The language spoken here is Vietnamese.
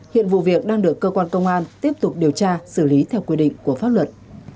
hiện vụ việc đang được cơ quan công an tiếp tục điều tra xử lý theo quy định của pháp luật